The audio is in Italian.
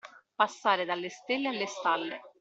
Passare dalle stelle alle stalle.